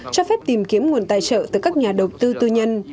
cho phép tìm kiếm nguồn tài trợ từ các nhà đầu tư tư nhân